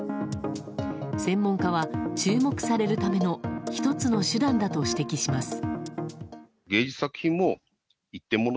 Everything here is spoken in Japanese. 専門家は、注目されるための１つの手段だと指摘します。